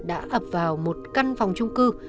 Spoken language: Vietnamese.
đã ập vào một căn phòng trung cư